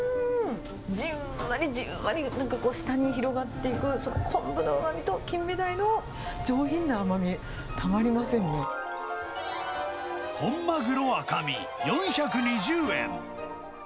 じんわりじんわり、なんか舌に広がっていく昆布のうまみと、キンメダイの上品な甘み、本まぐろ赤身４２０円。